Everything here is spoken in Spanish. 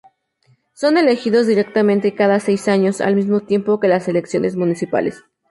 Son elegidos directamente cada seis años, al mismo tiempo que las elecciones municipales.